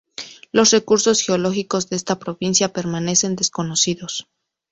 Los recursos geológicos de esta provincia permanecen desconocidos.